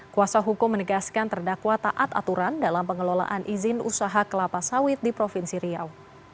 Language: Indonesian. kuasa hukum menegaskan terdakwa taat aturan dalam pengelolaan izin usaha kelapa sawit di provinsi riau